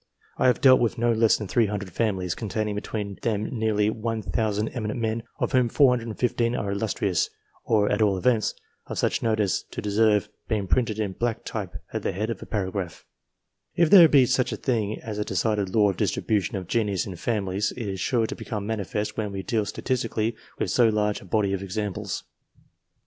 I have dealt with no less than 300 families containing between them nearly 1,000 eminent men, of whom 415 are illustrious, or, at all events, of such note as to deserve being printed in black type at the head of a paragraph If there be such a thing as a decided law of distribution of genius in families, it is sure to become manifest when we deal statistically with so large a body of examples.